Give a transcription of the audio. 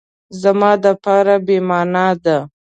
زما دپاره بی معنا ده